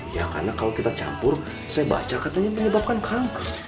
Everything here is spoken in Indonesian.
ya karena kalau kita campur saya baca katanya menyebabkan kanker